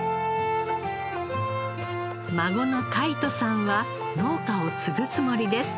孫の凱仁さんは農家を継ぐつもりです。